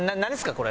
これ。